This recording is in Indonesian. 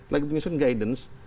lagi menyusun guidance